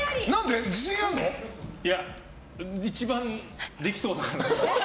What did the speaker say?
いや、一番できそうだから。